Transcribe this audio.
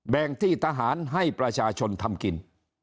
ที่ทหารให้ประชาชนทำกิน